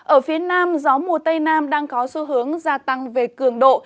ở phía nam gió mùa tây nam đang có xu hướng gia tăng về cường độ